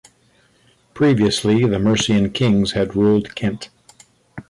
Previously, the Mercian kings had ruled Kent.